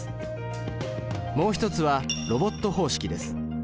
もう一つはロボット方式です。